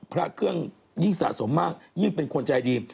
พระเครื่องยิ่งสะสมมากยิ่งเป็นคนใจดี